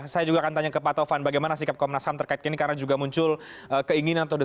saya juga akan tanya ke pak taufan bagaimana sikap komnas ham terkait kini karena juga muncul keinginan atau desa